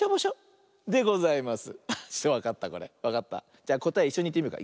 じゃこたえいっしょにいってみようか。